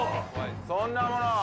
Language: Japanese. そんなもの